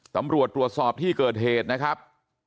ตำรวจตรวจสอบที่เกิดเหตุนะครับ